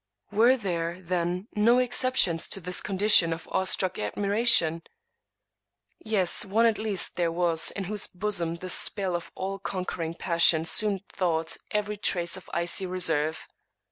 Were there, then, no exceptions to this condition of awe struck admiration? Yes; one at least there was in whose 113 English Mystery Stories bosom the spell of all conquering passion soon thawed every trace of icy reserve.